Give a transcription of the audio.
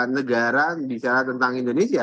negara bicara tentang indonesia